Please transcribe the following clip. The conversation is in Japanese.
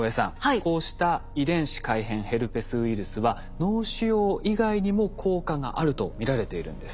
こうした遺伝子改変ヘルペスウイルスは脳腫瘍以外にも効果があると見られているんです。